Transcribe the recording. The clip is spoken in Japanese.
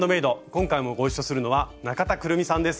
今回もご一緒するのは中田クルミさんです。